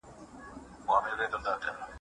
بهرنی سیاست په ملي ګټو ولاړ و.